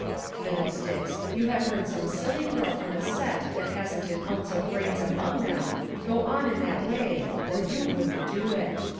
" Fiddlesticks ! You have heard some silly girl from a set that hasn't an ounce of brains among them go on in that way or you wouldn't do it.